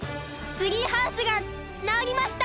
ツリーハウスがなおりました！